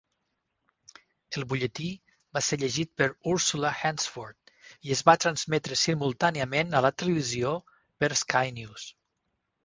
El butlletí va ser llegit per Ursula Hansford, i es va transmetre simultàniament a la televisió per Sky News.